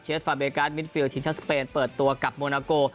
ฟาเบการมิดฟิลทีมชาติสเปนเปิดตัวกับโมนาโก